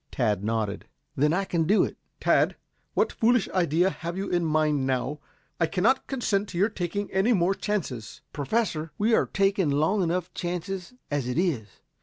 Tad nodded. "Then I can do it." "Tad, what foolish idea have you in mind now? I cannot consent to your taking any more chances." "Professor, we are taking long enough chances as it is.